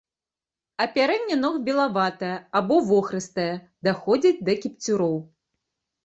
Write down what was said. Апярэнне ног белаватае або вохрыстае, даходзіць да кіпцюроў.